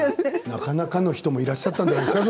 なかなかの人もいらっしゃったんじゃないですか